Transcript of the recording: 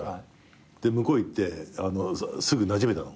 向こう行ってすぐなじめたの？